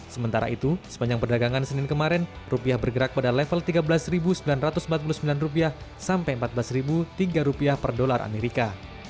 sementara itu sepanjang perdagangan senin kemarin rupiah bergerak pada level tiga belas sembilan ratus empat puluh sembilan rupiah sampai empat belas tiga rupiah per dolar amerika